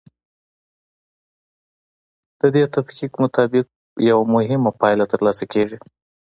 د دې تفکیک مطابق یوه مهمه پایله ترلاسه کیږي.